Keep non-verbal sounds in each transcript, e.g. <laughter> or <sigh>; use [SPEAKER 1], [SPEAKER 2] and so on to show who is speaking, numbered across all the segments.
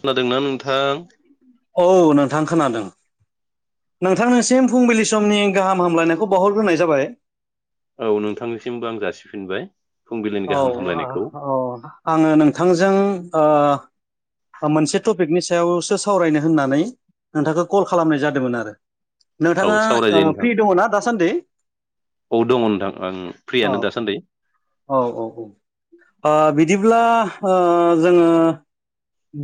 [SPEAKER 1] खोदोंना नों थां?
[SPEAKER 2] औ नोंथां खोनादों। नोंथांनिसिम फुंबिलि समनि गाहाम हामलायनायखौ बावहरग्रोनाय जाबाय।
[SPEAKER 1] बावहर फिनबाय
[SPEAKER 2] औ औ आङो नोंथांजों ओ मोनसे टपिकनि सायावसो सावरायनो होननानै नोंथांखौ कल खालामनाय जादोंमोन आरो।
[SPEAKER 1] औ
[SPEAKER 2] नोंथाङा
[SPEAKER 1] सावरायजायो
[SPEAKER 2] ओ फ्रि
[SPEAKER 1] नोंथां
[SPEAKER 2] दङ ना दासान्दि
[SPEAKER 1] औ दङ नोंथां आं
[SPEAKER 2] औ
[SPEAKER 1] फ्रियानो दासान्दि।
[SPEAKER 2] औ औ औ ।ओ बिदिब्ला ओ जोङो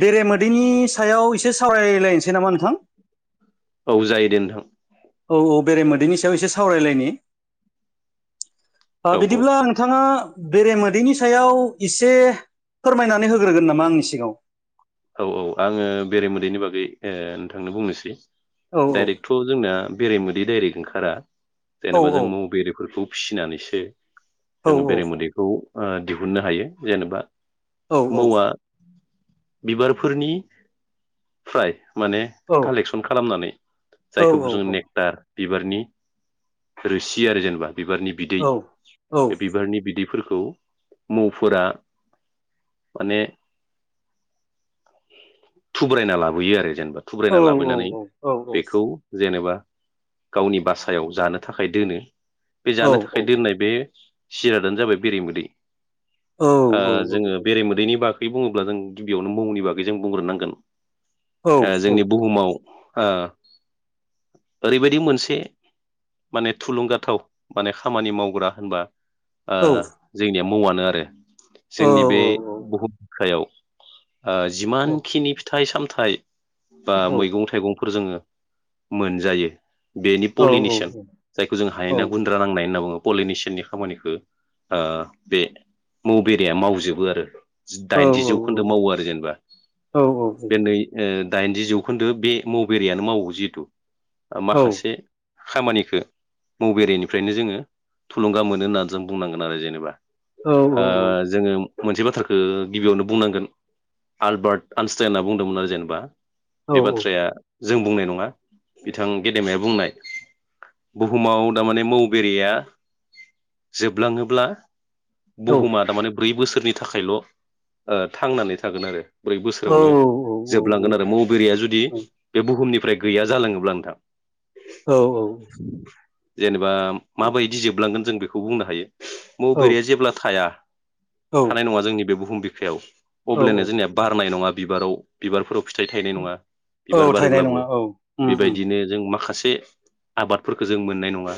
[SPEAKER 2] बेरेमोदैनि सायाव एसे सावरायलायनोसै नामा नोंथां
[SPEAKER 1] औ जायो दे नोंथां।
[SPEAKER 2] बेरे मोदैनि सायाव एसे सावरायलायनि।
[SPEAKER 1] औ
[SPEAKER 2] बिदिब्ला नोंथाङा बेरेमोदैनि सायाव एसे फोरमायनानै होग्रोगोन नामा आंनि सिगाङाव
[SPEAKER 1] औ औ आङो बेरेमोदैनि बागै नोंथांनो बुंनोसै।
[SPEAKER 2] औ
[SPEAKER 1] दाइरेकथ' जोंना बेरायेमोदै दाइरेक ओंखार खारा। जेनेबा जों मौ बेरिफोरखौ फिसिनानैसो जोङो बेरे मोदैखौ ओ दिहुननो हायो जेनेबा
[SPEAKER 2] औ औ।
[SPEAKER 1] बिबारफोरनि फ्राय माने कालेकसन खालामनानै जायखौ बुङो जों नेक्टार। बिबारनि रोसि आरो जेनेबा बिबारनि बिदै बे बिबारनि बिदैफोर खौ मौफोरा माने थुब्रायना लाबोयो आरो जेन बा थुब्रायना लाबोनानै बेखौ जेनेबा गावनि बासायाव जानो थाखाय दोनो। बे जानो थाखाय दोननाय बे जिरादानो जाबाय बेरेमोदै। ओ जोङो बेरेमोदैनि बाग गै बुङोब्ला जों गिबियावनो मौनि बाग गै जों बुंग्रोनांगोन। ओ जोंनि बुहुमाव ओ ओरैबायदि मोनसे माने थुलुंगाथाव माने खामानि मावग्रा होनबा ओ जोंनियाव मौआनो आरो।
[SPEAKER 2] औ
[SPEAKER 1] जोंनि बे बुहुम बिखायाव ओ जिमान खिनि फिथाइ साम थाइ बा मैगं थाइगं फोर जोङो मोनजायो। बेनि पलिनिसोन जायखौ जोङो हायना गुन्द्रा नांनाय होनना बुङो। पलिनिसोननि खामानिखो ओ बे मौ बेरेया मावजोबो आरो। दाइनजि जौखोन्दो मावो आरो जेनेबा।
[SPEAKER 2] औ औ औ।
[SPEAKER 1] बे नै ओ दाइनजि जौखोन्दो बे मौ बेरेयानो मावो जिहेथु ओ माखासे खामानिखो मौ बेरेनिफ्रायनो जोङो थुलुंगा मोनो होननानै जों बुंनांगोन आरो जेनेबा। ओ जोङो मोनसे बाथ्राखो गिबियावनो बुंनांगोन आलबार्ट आनस्टाइना बुंदोंमोन आरो जेनेबा। बे बाथ्राया जों बुंनाय नङा बिथां गेदेमाया बुंनाय। बुहुमाव थारमाने मौ बेरिया जोबलाङोब्ला
[SPEAKER 2] औ
[SPEAKER 1] बुहुमा थारमाने ब्रै बोसो सोरनि थाखायल' ओ थांनानै थागोन आरो। ब्रै बोसोरावनो जोबलांगोन आरो मौबेरिया जुदि बे बुहुमनि फ्राय गैया जालाङोब्ला नोंथां।
[SPEAKER 2] औ औ।
[SPEAKER 1] जेन बा माबायदि जोबलांगोन जों बेखौ बुंनो हायो। मौबेरैआ जेब्ला थाया
[SPEAKER 2] औ
[SPEAKER 1] थानाय नङा जोंनि बे बुहुम बिखायाव अब्लेनो <unintelligible> नाय नङा बिबाराव बिबारफोराव फिथाइ थायनाय नङा
[SPEAKER 2] औ
[SPEAKER 1] बिबार
[SPEAKER 2] थायनाय
[SPEAKER 1] बारोब्लाबो
[SPEAKER 2] नङा औ उम उम
[SPEAKER 1] बेबायदिनो जों माखासे बे आबादफोरखौ जों मोननाय नङा।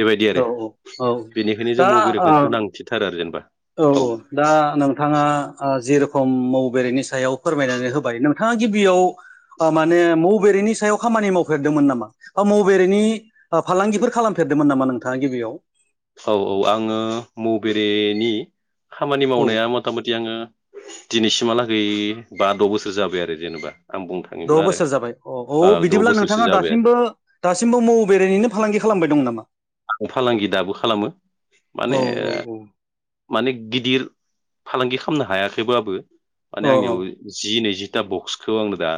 [SPEAKER 1] बेबायदि आरो
[SPEAKER 2] औ औ औ
[SPEAKER 1] बेनिखायनो
[SPEAKER 2] दा
[SPEAKER 1] जों मरे खौ
[SPEAKER 2] ओ
[SPEAKER 1] गोनांथिथारो आरो जेनेबा।
[SPEAKER 2] औ औ दा नोंथाङा ओ जेरेखम मौ बेरेनि सायाव फोरमायनानै होबाय नोंथाङा गिबियाव माने मौबरेनि सायाव खामानि मावफेरदोंमोन नामा बा मबरेनि फालांगिफोर खालामफेरदोंमोन नामा नोंथाङा गिबियाव?
[SPEAKER 1] औ औ आङो मौबेरेनि खामानि
[SPEAKER 2] औ
[SPEAKER 1] मावनाया मथा मथि आङो दिनैसिमहालागै बाद' बोसोर जाबाय आरो जेनेबा। आं बुंनो
[SPEAKER 2] द'
[SPEAKER 1] थाङोब्ला आरो
[SPEAKER 2] बोसोर जाबाय अ
[SPEAKER 1] ओ
[SPEAKER 2] औ
[SPEAKER 1] द'
[SPEAKER 2] बिदिब्ला
[SPEAKER 1] बोसोरसो
[SPEAKER 2] नोंथाङा
[SPEAKER 1] जाबाय आरो
[SPEAKER 2] दासिमबो दासिमबो मौ बेरायनो फालांगि खालामबाय दं नामा?
[SPEAKER 1] आं फालांगि दाबो खालामो
[SPEAKER 2] औ
[SPEAKER 1] माने माने गिदिर फालांगि खालामनो हायाखैबबाबो माने
[SPEAKER 2] औ
[SPEAKER 1] आंनियाव जि नैजि दा बक्सखौ आंनो दा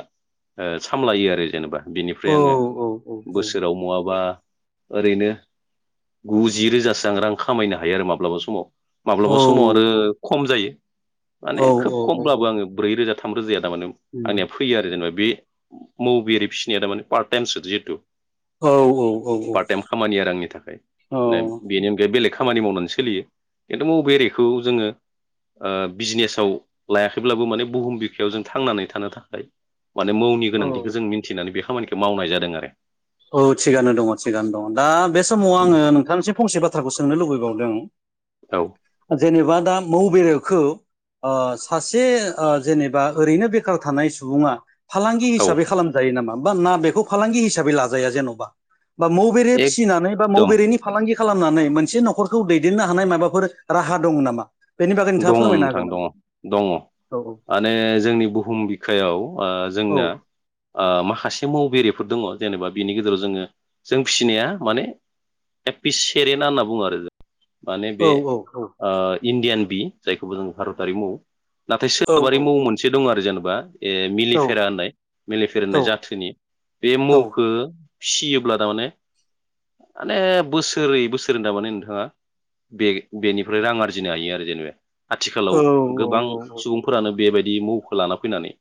[SPEAKER 1] ओ सामलायो आरो जेनेबा।
[SPEAKER 2] औ
[SPEAKER 1] बिनिफ्राय आङो
[SPEAKER 2] औ
[SPEAKER 1] बोसोराव नङाबा ओरैनो गु जि रोजासो आं रां खामायनो हायो आरो माब्लाबा समाव।
[SPEAKER 2] औ
[SPEAKER 1] माब्लाबा समाव आरो खम जायो। माने
[SPEAKER 2] औ
[SPEAKER 1] खोब
[SPEAKER 2] औ
[SPEAKER 1] खमब्लाबो आङो ब्रै रोजा थाम रोजाया थारमाने आंनिया फैयो आरो जेनेबा बे मौबेरे फिसिनाया थारमाने पार्ट टाइमसो जिहेतु
[SPEAKER 2] औ औ औ औ
[SPEAKER 1] पार्ट टाइम खामानि <unintelligible> बेनि अनगायै बेलेग खामानि मावनानै सोलियो खिन्थु मौ बेरेखौ जोङो ओ बिजनेसाव लायाखैब्लाबो माने बुहुम बिखायाव जों थांनानै थानो थाखाय माने मौनि
[SPEAKER 2] औ
[SPEAKER 1] गोनांथिखौ जों मिन्थिनानै बे खामानि मावनाय जादों आरो।
[SPEAKER 2] औ थिगानो दङ थिगानो दङ दा बे समाव आङो नोंथांनिसिम फंसे बा थ्राखौ सोंनो लुबैबावदों
[SPEAKER 1] आरो
[SPEAKER 2] जेनिबा दा मौ बेरेखौ ओ सासे ओ जेनेबा ओरैनो बेखार थानाय सुबुङा फालांगि
[SPEAKER 1] औ औ
[SPEAKER 2] हिसाबै खालामजायो नामा? बा मा बेखौ फालांगि हिसाबै ला जाया जेनबा बा मौ फिसिनानै बा मौ
[SPEAKER 1] एकदम
[SPEAKER 2] बेरेनि फालांगि खालामनानै मोनसे नखरखौ दैदेननो हानाय माबाफोर राहा दङ नामा? बेनि बागै नोंथाङा
[SPEAKER 1] दङ
[SPEAKER 2] फोरमायनो
[SPEAKER 1] नोंथां
[SPEAKER 2] हागोन नामा
[SPEAKER 1] दङ दङ
[SPEAKER 2] औ
[SPEAKER 1] माने जोंनि बुहुम बिखायाव ओ
[SPEAKER 2] औ
[SPEAKER 1] जोंनो ओ माखासे मौ बेरेफोर दङ जेनेबा बिनि गेजेराव जोङो जों फिसिनाया माने एपि सेरेना होनना बुङो आरो माने
[SPEAKER 2] औ
[SPEAKER 1] बे
[SPEAKER 2] औ औ
[SPEAKER 1] ओ इण्डियान बि जायखौबो जों भारत हारिमु नाथाय
[SPEAKER 2] औ
[SPEAKER 1] सोनाबारि
[SPEAKER 2] औ
[SPEAKER 1] मुं मोनसे दं आरो जेनेबा ए
[SPEAKER 2] औ
[SPEAKER 1] मिलिफेरा होननाय मिलिफेरा
[SPEAKER 2] औ
[SPEAKER 1] होननाय जाथोनि बे मौखो फिसियोब्ला थारमाने माने बोसोरै बोसोरै थार माने नोंथाङा बे बेनिफ्राय रां आरजिनो हायो आरो। जेनेबा आथिखालाव गोबां सुबुंफोरानो बेबाय बि मौखौ लाना फैनानै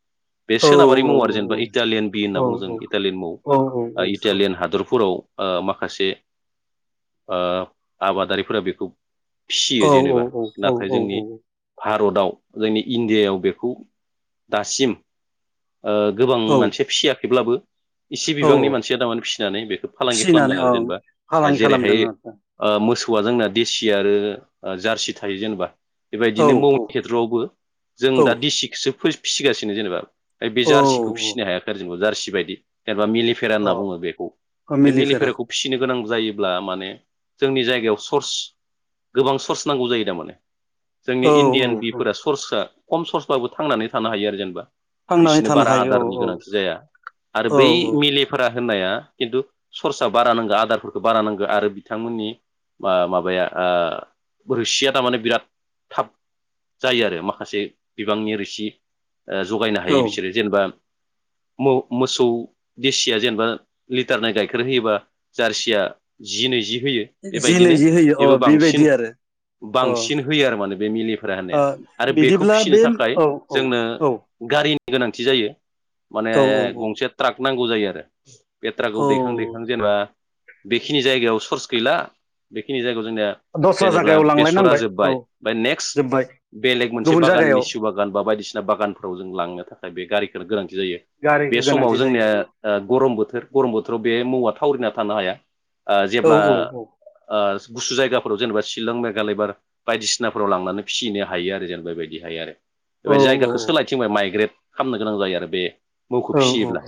[SPEAKER 1] बे
[SPEAKER 2] औ
[SPEAKER 1] सोनाबारि मुं आरो जेनेबा
[SPEAKER 2] औ औ
[SPEAKER 1] इटालियान बि
[SPEAKER 2] औ
[SPEAKER 1] होनना बुं जों इटालियान मौ
[SPEAKER 2] औ औ औ
[SPEAKER 1] इटालियान हादरफोराव ओ माखासे ओ आबादारिफोरा बेखौ फिसियो जेनेबा
[SPEAKER 2] औ
[SPEAKER 1] नाथाय
[SPEAKER 2] औ
[SPEAKER 1] जोंनि
[SPEAKER 2] औ
[SPEAKER 1] भारताव जोंनि इण्डियायाव बेखौ दासिम ओ गोबां
[SPEAKER 2] औ
[SPEAKER 1] मानसिया फिसियाखैब्लाबो इसे
[SPEAKER 2] औ
[SPEAKER 1] बिबांनि मानसिया थारमाने फिसिनानै बेखौ फालांगि खालामदों
[SPEAKER 2] फिसिनानै
[SPEAKER 1] आरो
[SPEAKER 2] औ
[SPEAKER 1] जेनेबा
[SPEAKER 2] फालांगि खालामदों
[SPEAKER 1] जेरैहाय
[SPEAKER 2] आरो
[SPEAKER 1] ओ मोसौ आ जोंना देसि आरो जारसि थायो जेनेबा बेबायदिनो
[SPEAKER 2] औ
[SPEAKER 1] मवनि केथ्र'आवबो जों
[SPEAKER 2] औ
[SPEAKER 1] दा दिसिखौसो फिसिगासिनो जेनेबा बे जारसिखौ
[SPEAKER 2] औ
[SPEAKER 1] फिसिनो हायाखै आरो जोंबो जारसि बायदि मिलिफेरा
[SPEAKER 2] औ
[SPEAKER 1] होनना बुंङो बेखौ
[SPEAKER 2] अ
[SPEAKER 1] बे मिलि
[SPEAKER 2] मिलिफेरा
[SPEAKER 1] फेराखौ फिसिनो गोनां जायोब्ला माने जोंनि जायगायाव सर्स गोबां सर्स नांगौ जायो माने जोंनि
[SPEAKER 2] औ औ
[SPEAKER 1] इण्डियान
[SPEAKER 2] औ
[SPEAKER 1] बिफोरा सरसा खम सर्सबाबो थांनानै थानो हायो आरो जेनेबा
[SPEAKER 2] थांनानै
[SPEAKER 1] बिसनो
[SPEAKER 2] थानो
[SPEAKER 1] बारा
[SPEAKER 2] हायो
[SPEAKER 1] आदारनि
[SPEAKER 2] औ
[SPEAKER 1] गोनांथि जाया आरो
[SPEAKER 2] औ
[SPEAKER 1] बै
[SPEAKER 2] औ
[SPEAKER 1] मिलेफोरा होननाया खिन्थु सर्सा बारा नांगौ आदारफोरखौ बारा नांगौ आरो बिथांमोननि माबाया ओ रोसिया थारमाने बिराद थाब जायो आरो माखासे बिबांनि रोसि ओ जगायनो हायो
[SPEAKER 2] औ
[SPEAKER 1] बिसोरो जेनेबा मोव मोसौ देसिया जेनेबा लिटार नै गाइखेर होयोबा जारसिया जि नैजि होयो
[SPEAKER 2] जि
[SPEAKER 1] बेबायदिनो
[SPEAKER 2] नैजि होयो अ
[SPEAKER 1] बेबो बांसिन
[SPEAKER 2] बेबायदि आरो अ
[SPEAKER 1] बांसिन होयो आरो माने बे मिलिफोरा
[SPEAKER 2] ओ
[SPEAKER 1] होननाया आरो बेखौ
[SPEAKER 2] बिदिब्ला
[SPEAKER 1] फिसिनो
[SPEAKER 2] बे
[SPEAKER 1] थाखाय
[SPEAKER 2] औ औ
[SPEAKER 1] जोंनो <unintelligible> गोनांथि जायो। माने
[SPEAKER 2] औ औ
[SPEAKER 1] गंसे ट्राक नांगौ जायो आरो बे ट्रागाव
[SPEAKER 2] औ
[SPEAKER 1] दैखां दैखां जेनेबा बेखिनि जायगायाव सर्स गैला बेखिनि जायगा जोंनिया
[SPEAKER 2] दस्रा
[SPEAKER 1] जेनेब्ला
[SPEAKER 2] जायगायाव
[SPEAKER 1] बेसरा
[SPEAKER 2] लांलायनांबाय औ
[SPEAKER 1] जोब्बाय ओमफ्राय नेक्स्ट
[SPEAKER 2] जोब्बाय
[SPEAKER 1] बेलेग मोनसे
[SPEAKER 2] गुबुन
[SPEAKER 1] बागान
[SPEAKER 2] जायगायाव
[SPEAKER 1] लेसिु बागान बा बायदिसि बागानफ्राव जों लांनो थाखाय बे गारिखौनो गोनांथि जायो
[SPEAKER 2] गारि
[SPEAKER 1] बे समाव
[SPEAKER 2] गोनांथि जायो
[SPEAKER 1] जोंनिया ओ गरम बोथोर गरम बोथोराव बे मवा थावरिना थानो हाया। अ
[SPEAKER 2] औ औ
[SPEAKER 1] जेब्ला
[SPEAKER 2] औ औ
[SPEAKER 1] अ गुसु जायगाव जेनेबा शिलं घालायबार बायदिसिनाफोराव लांनानै फिसिनो हायो आरो जेनेब बेबायदि हायो आरो। बे
[SPEAKER 2] औ
[SPEAKER 1] बायदि जायगाखौ सोलायथिंबाय माइग्रेट खालामनो गोनां जायो आरो बे मोखौ
[SPEAKER 2] औ
[SPEAKER 1] फिसियोब्ला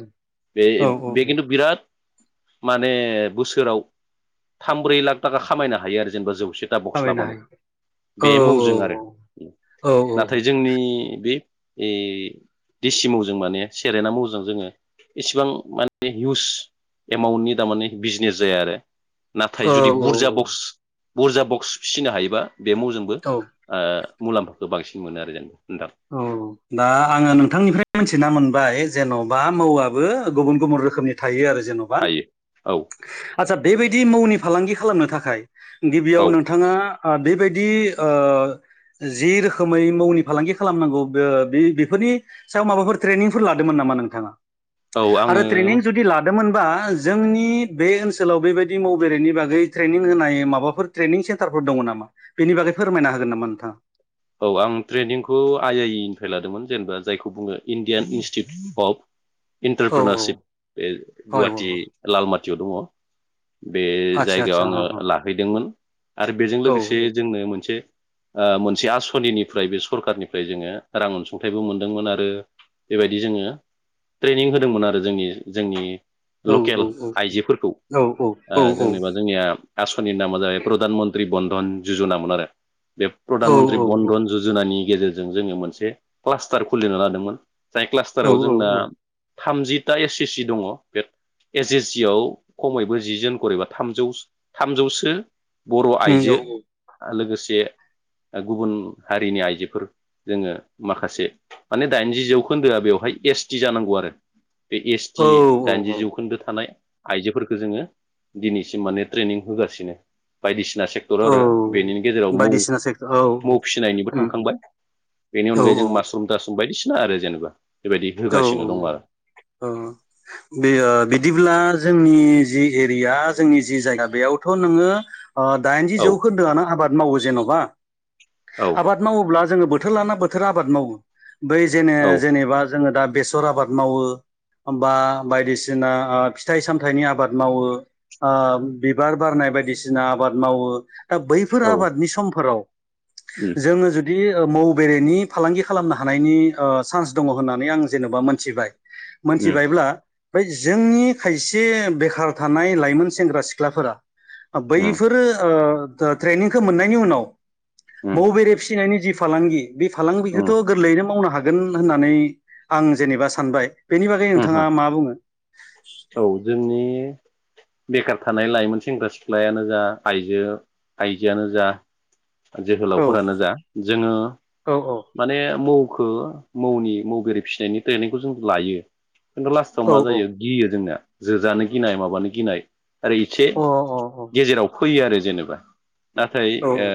[SPEAKER 1] बे
[SPEAKER 2] औ औ
[SPEAKER 1] -बे
[SPEAKER 2] औ
[SPEAKER 1] खिन्थु बिराद माने बोसोराव थाम ब्रै लाख थाखा खामायनो हायो आरो जेनेबा जौसे
[SPEAKER 2] खामायनो
[SPEAKER 1] क्लाबानो
[SPEAKER 2] हायो औ
[SPEAKER 1] बे
[SPEAKER 2] औ
[SPEAKER 1] मावजों आरो
[SPEAKER 2] औ
[SPEAKER 1] नाथाय जोंनि बे इ देसि मावजों माने सेरेना मावजों जोङो इसेबां माने हिउस एमाउन्टनि थारमाने बिजनेस जाया आरो। नाथाय
[SPEAKER 2] औ
[SPEAKER 1] जुदि बुरजा बक्स बुर्जा बक्स फिसिनो हायोबा बे मु जोंबो
[SPEAKER 2] औ दा
[SPEAKER 1] <unintelligible> मुलाम्फाफोरखौ बांसिन मोनो आरो जेनेबा नोंथां
[SPEAKER 2] औ दा आङो नोंथांनिफ्राय मिथिना मोनबाय जेन'बा मआबो गुबुन- गुबुन रोखोमनि था थायो आरो जेन'बा
[SPEAKER 1] हायो औ
[SPEAKER 2] आदसा बेबायदि मावनि फालांगि खालामनो थाखाय गिबियाव
[SPEAKER 1] औ
[SPEAKER 2] नोंथाङा बेबायदि जि रोखोमै मावनि फालांगि खालाम नांगौ बेफोरनि सायाव माबाफोर ट्रेनिंफोर लादोंमोन नामा नोंथाङा?
[SPEAKER 1] औ
[SPEAKER 2] आरो
[SPEAKER 1] आङो
[SPEAKER 2] ट्रेनिं जुदि लादोंमोन बा जोंनि बे ओनसोलाव बेबायदि माव बेरायनायनि बागै ट्रेनिं होनाय माबाफोर ट्रेनिं सेन्टारफोर दङ नामा बेनि बागै फोरमायना होगोन नामा नोंथाङा?
[SPEAKER 1] औ आं ट्रेनिंखौ आइ -आइइ निफ्राय लादोंमोन जेनेबा जायखौ बुङो इण्डियान इन्स्टिटिउट अफ
[SPEAKER 2] औ औ
[SPEAKER 1] इन्टारप्रेनारशप बे
[SPEAKER 2] हय औ
[SPEAKER 1] गुवाहाटि
[SPEAKER 2] औ
[SPEAKER 1] लालमाटि थिआव दड़। बे
[SPEAKER 2] आदसा
[SPEAKER 1] जायगायाव
[SPEAKER 2] आदसा
[SPEAKER 1] आङो
[SPEAKER 2] अ
[SPEAKER 1] लाहैदोंमोन आरो बेजों
[SPEAKER 2] अ औ
[SPEAKER 1] लोगोसे जोंनो मोनसे मोनसे आसु सनिनिफ्राय बे सरखारनिफ्राय जोङो रां अनसुंथाइबो मोनदोंमोन आरो बेबायदि जोङो ट्रेनिं होदोंमोन आरो जोंनि जोंनि
[SPEAKER 2] औ-
[SPEAKER 1] लकेल
[SPEAKER 2] औ- औ
[SPEAKER 1] आइजोफोरखौ
[SPEAKER 2] -औ -औ- औ -औ।
[SPEAKER 1] -नि नामााया प्रधान मन्त्रि बन्द धन जुजुनामोन आरो। बे प्रधानमन्त्रि बन्दधन ज'जनानि गेजेरजों जोङो मोनसे क्लास्टार खुलिनो लादोंमोन । जाय
[SPEAKER 2] औ
[SPEAKER 1] क्लास्टाराव
[SPEAKER 2] औ
[SPEAKER 1] जोंना
[SPEAKER 2] औ
[SPEAKER 1] थामजिटा एस एस सि दङ बे एस एस सि आव खमैबो जि जोन खर एबा थामजौ थामजौसो बर'
[SPEAKER 2] उम
[SPEAKER 1] आइजो लोगो से गुबुन हारिनि आइजोफोर जोङो माखासे माने दाइनजि जौखोन्दोआ बेवहाय एस टि जानांगौ आरो बे एस
[SPEAKER 2] औ
[SPEAKER 1] टि
[SPEAKER 2] औ
[SPEAKER 1] दाइनजि
[SPEAKER 2] औ
[SPEAKER 1] जौखोन्दो थानाय आइजोफोरखो जोङो दिनैसिम माने ट्रेनिं होगासिनो बायदिसि बायदिसिना सेक्टर आरो
[SPEAKER 2] औ
[SPEAKER 1] बेनि गेजेराव मौ
[SPEAKER 2] बायदिसिना सेक्टर औ
[SPEAKER 1] मौ
[SPEAKER 2] उम
[SPEAKER 1] फिसिनायनिबो थांखांबाय बेनि
[SPEAKER 2] औ
[SPEAKER 1] अनगायै जों मासरुम थासुम बायदिसि आरो जेनोबा
[SPEAKER 2] औ औ औ औ बे बिदिब्ला जोंनि जि एरिया जोंनि जि जायगा बेयावथ' नोङो ओ दाइनजि
[SPEAKER 1] औ
[SPEAKER 2] जौखोन्दोआनो आबाद मावो जेन'बा
[SPEAKER 1] औ
[SPEAKER 2] आबाद मावोब्ला जोङो बोथोर लाना बोथोर आबाद मावो । बै जेने
[SPEAKER 1] औ
[SPEAKER 2] जेनेबा जोङो दा बेसर आबाद मावो बा बायदिसिना ओ फिथाइ सामथाइनि आबाद मावो ओ बिबार बारनाय बायदिसिना आबाद मावो । दा बैफोर
[SPEAKER 1] औ
[SPEAKER 2] आबादनि समफोराव
[SPEAKER 1] उम
[SPEAKER 2] जोंङो जु बिदि मौ बेरेनि फालांगि खालामनो हानायनि ओ सान्स दङ । होननानै आं जेन'बा मोनथिबाय
[SPEAKER 1] उम
[SPEAKER 2] मोनथिबायब्ला बै जोंनि खायसे बेखार थानाय लाइमोन सेंग्रा सिख्लाफोरा
[SPEAKER 1] उम
[SPEAKER 2] बैफोर ओ ट्रेनिंखो मोननायनि उनाव
[SPEAKER 1] उम
[SPEAKER 2] मौ बेरे फिसिनायनि जि फालांगि बे फालांगिखौथ'
[SPEAKER 1] उम
[SPEAKER 2] गोरलैनो मावनो हा हागोन होननानै आं जेनेबा सानबाय बेनि बागै नोंथाङा
[SPEAKER 1] उम
[SPEAKER 2] मा बुङो ।
[SPEAKER 1] औ जोंनि बेखार थानाय लाइमोन सेंग्रा सिख्लायानो जा आइजो आइजोआनो जा
[SPEAKER 2] औ
[SPEAKER 1] जोहोलावफोरानो जा जोङो
[SPEAKER 2] औ औ
[SPEAKER 1] माने मौ खो मौनि मौबेरे फिनायनि ट्रेनिंखौ जों लायो। खिन्थु लास्टाव
[SPEAKER 2] औ
[SPEAKER 1] मा
[SPEAKER 2] औ
[SPEAKER 1] जायो गियो जोंनिया जोजानो गिनाय माबानो गि गिनाय ओरै इचे
[SPEAKER 2] अ
[SPEAKER 1] गेजेराव फैयो आरो जेनेबा नाथाय
[SPEAKER 2] अ औ
[SPEAKER 1] ओ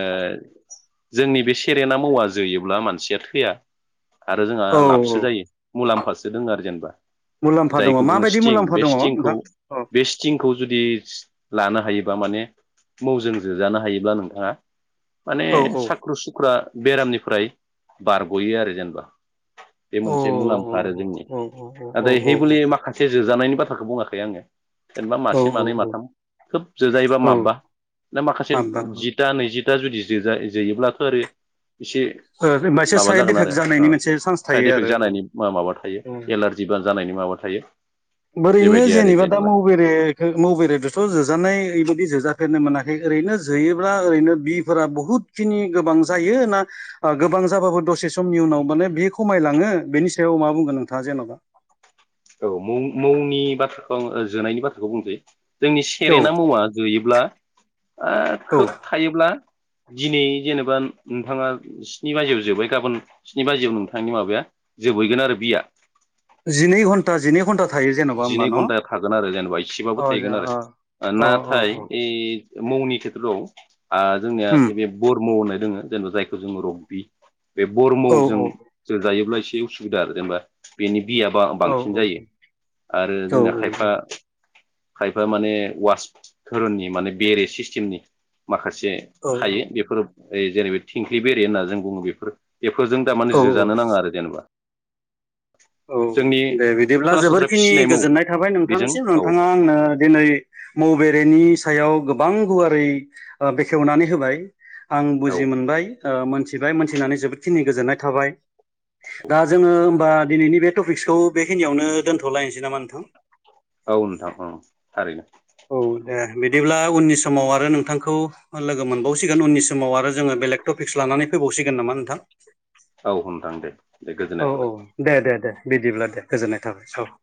[SPEAKER 1] जोंनि बेसि खेरेना मौवा जोयोब्ला मानसिया थैया? आरो जोंहा
[SPEAKER 2] औ
[SPEAKER 1] लाबसो जायो मुलाम्फासो दङ आरो जेनेबा
[SPEAKER 2] मुलाम्फा दङ
[SPEAKER 1] जायखौ बुङो
[SPEAKER 2] माबायदि
[SPEAKER 1] स्टिं
[SPEAKER 2] मुलाम्फा
[SPEAKER 1] बे
[SPEAKER 2] दङ
[SPEAKER 1] स्टिंखौ
[SPEAKER 2] नोंथां औ
[SPEAKER 1] बे स्टिंखौ जुदि लानो हायोबा माने मौजों जोजानो हायोब्ला नोंथाङा माने
[SPEAKER 2] औ औ
[SPEAKER 1] साख्रु सुख्रा बेरामनिफ्राय बारग'यो आरो जेनेबा बे
[SPEAKER 2] अ
[SPEAKER 1] मोनसे मुलाम्फा आरो
[SPEAKER 2] अ अ
[SPEAKER 1] जोंनि।
[SPEAKER 2] अ
[SPEAKER 1] हेबुलि माखासे जों जानायनि बाथ्राखौ बुङाखै आङो जेनेबा
[SPEAKER 2] औ
[SPEAKER 1] मासे मानै
[SPEAKER 2] औ
[SPEAKER 1] माथाम खोब जोजायोबा
[SPEAKER 2] औ
[SPEAKER 1] माबबा ना माखासे
[SPEAKER 2] हाबा
[SPEAKER 1] जिदा नैजि दा जुदि जोयोब्लाथ' आरो एसे
[SPEAKER 2] मोनसे
[SPEAKER 1] माबा
[SPEAKER 2] साइद
[SPEAKER 1] जागोन
[SPEAKER 2] इफेक्ट
[SPEAKER 1] आरो
[SPEAKER 2] जानायनि मोनसे चान्स
[SPEAKER 1] साइड
[SPEAKER 2] थायो
[SPEAKER 1] इफेक्ट
[SPEAKER 2] आरो औ
[SPEAKER 1] जानायनि माबा थायो
[SPEAKER 2] औ
[SPEAKER 1] एलारजि जानायनि माबा थायो।
[SPEAKER 2] ओरैनो
[SPEAKER 1] बेबायदि आरो
[SPEAKER 2] जेनेबा दा मबेखौ मबरेदथ' जोजानाय <unintelligible> जोजा फेरनो मोनाखै ओरैनो जोयोब्ला ओरैनो बिफोरा बहुद खिनि गोबां जायो ना गोबां जाबाबो दसे समनि उनाव माने बि खमायलाङो बेनि सायाव मा बुंगोन नोंथाङा जेन'बा
[SPEAKER 1] औ मुंनि बाथ्राखौ आं जोनायनि बाथ्राखौ बुंसै। जोंनि
[SPEAKER 2] औ
[SPEAKER 1] सेरेना मुवा जोयोब्ला आ
[SPEAKER 2] औ
[SPEAKER 1] खोब थायोब्ला दिनै जेनेबा नोंथाङा स्नि बाजियाव जोब्बाय गाबोन स्नि बाजियाव नोंथांनि माबाया जोबहैगोन आरो बिया
[SPEAKER 2] जिनै घन्टा जिनै घन्टा थायो जेन'बा होमबा
[SPEAKER 1] जिनै
[SPEAKER 2] न'
[SPEAKER 1] घन्टा थागोन आरो जेनेबा एसेबाबो
[SPEAKER 2] अ जा
[SPEAKER 1] थाहगोन आरो
[SPEAKER 2] अ अ अ
[SPEAKER 1] नाथाय
[SPEAKER 2] अ
[SPEAKER 1] ओइ मौनि खेथ्रआव आ जोंनिया
[SPEAKER 2] उम
[SPEAKER 1] नैबे बर्म होननाय दोङो जेनेबा जायखौ जोङो रग्बि बे
[SPEAKER 2] औ
[SPEAKER 1] बरमौजों
[SPEAKER 2] औ
[SPEAKER 1] जोजायोब्ला एसे उसुबिदा आरो जेनेबा बेनि बियाबा
[SPEAKER 2] औ
[SPEAKER 1] बांसिन
[SPEAKER 2] औ
[SPEAKER 1] जायो आरो
[SPEAKER 2] औ
[SPEAKER 1] जोंना खायफा खायफा माने वास धोरोननि माने बेरे सिस्टेमनि माखासे
[SPEAKER 2] औ
[SPEAKER 1] बे हायो बेफोरो ओय जेरै बादि थिंख्लि बेरे होनना जों बुङो बेफोर बेफोरजों थारमाने
[SPEAKER 2] औ
[SPEAKER 1] जोजानो नाङा आरो जेनेबा
[SPEAKER 2] औ
[SPEAKER 1] जोंनि
[SPEAKER 2] दे बिदिब्ला जोबोर
[SPEAKER 1] सरासनस्रा फिसिनाय
[SPEAKER 2] <unintelligible>
[SPEAKER 1] मौ
[SPEAKER 2] गोजोननाय थाबाय
[SPEAKER 1] बेजों
[SPEAKER 2] नोंथांनिसिम
[SPEAKER 1] औ
[SPEAKER 2] नोंथाङा आंनो दिनै मोव बेरेनि सायाव गोबां गुवारै ओ बेखेवनानै होबाय आं
[SPEAKER 1] औ
[SPEAKER 2] बुजि मोनबाय ओ मोनथिबाय मोनथिनानै जोबोदखिनि गोजोननाय थाबाय दा जोङो होमबा दिनैनि बे टपिक्सखौ बेखिनियावनो दोनथ'लायनोसै नामा नोंथां?
[SPEAKER 1] औ नोंथां अ थारैनो
[SPEAKER 2] औ दे बिदिब्ला उननि समाव आरो नों- नोंथांखौ लोगो मोनबावसिगोन उननि समाव आरो जोङो बेलेग टपिक्स लानानै फैबावसिगोन नामा नोंथां
[SPEAKER 1] औ होनथां दे दे
[SPEAKER 2] औ
[SPEAKER 1] गोजोननाय थाबाय
[SPEAKER 2] औ दे दे दे बिदिब्ला दे गोजोननाय थाबाय <inaudible>